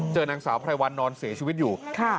นางสาวไพรวัลนอนเสียชีวิตอยู่